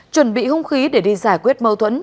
chuẩn bị hung khí để đi giải quyết mâu thuẫn